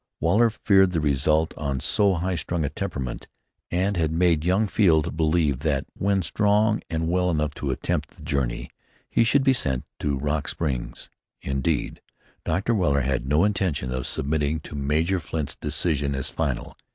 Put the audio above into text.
Waller feared the result on so high strung a temperament, and had made young Field believe that, when strong and well enough to attempt the journey, he should be sent to Rock Springs. Indeed, Dr. Waller had no intention of submitting to Major Flint's decision as final.